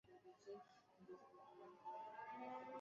সেই নীরবতার ফলশ্রুতিতে অনেক সম্ভাবনার দ্বার আমরা উন্মোচন করেছি।